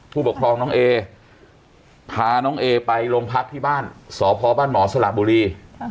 ผู้ปกครองน้องเอพาน้องเอไปโรงพักที่บ้านสพบ้านหมอสละบุรี